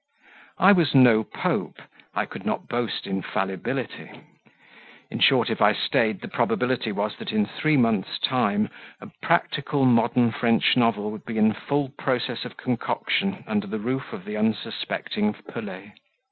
I was no pope I could not boast infallibility: in short, if I stayed, the probability was that, in three months' time, a practical modern French novel would be in full process of concoction under the roof of the unsuspecting Pelet.